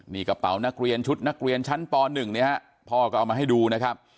นี่กระเป๋านักเรียนชุดนักเรียนชั้นป๑เนี่ยฮะพ่อก็เอามาให้ดูนะครับ